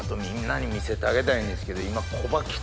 みんなに見せてあげたいんですけど。